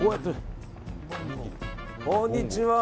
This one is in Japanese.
こんにちは！